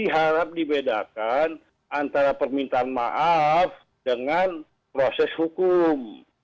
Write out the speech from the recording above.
diharap dibedakan antara permintaan maaf dengan proses hukum